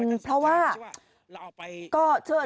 นั่งเฉย